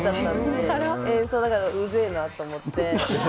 だから、うぜえなと思って。